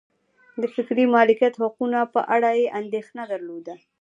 د فکري مالکیت حقونو په اړه یې اندېښنه نه درلوده.